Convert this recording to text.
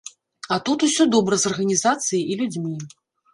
А тут усё добра з арганізацыяй і людзьмі.